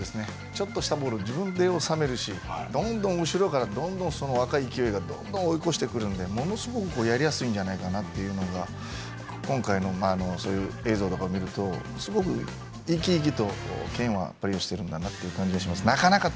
ちょっとしたボールも自分で収めるしどんどん後ろから若い選手がどんどん追い越してくるのでものすごくやりやすいんじゃないかなというのが今回の映像を見るとすごく生き生きとケインはプレーしている感じです。